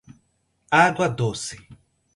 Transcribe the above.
Água Doce